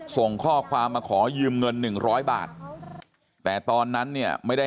ส่งข้อความมาขอยืมเงินหนึ่งร้อยบาทแต่ตอนนั้นเนี่ยไม่ได้